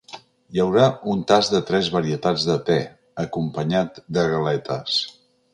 Hi haurà un tast de tres varietats de te, acompanyat de galetes.